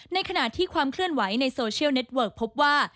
ในขณะที่ความเคลื่อนไหวในโซเชียลเน็ตเวิร์กพบว่า